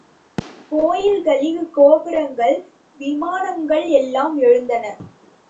கோயில்களில் கோபுரங்கள், விமானங்கள் எல்லாம் எழுந்தன.